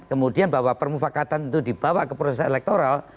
kemudian bahwa permufakatan itu dibawa ke proses elektoral